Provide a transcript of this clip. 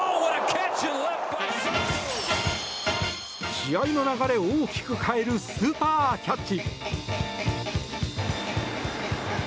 試合の流れを大きく変えるスーパーキャッチ。